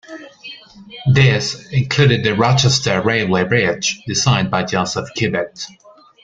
This included the Rochester railway bridge designed by Joseph Cubitt.